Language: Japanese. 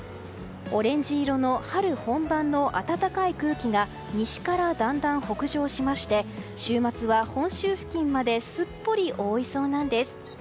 オレンジ色の春本番の暖かい空気が西からだんだん北上しまして週末は本州付近まですっぽり覆いそうなんです。